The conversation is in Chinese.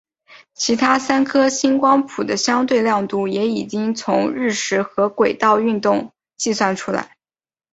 其他三颗星光谱的相对亮度也已经从日食和轨道运动计算出来。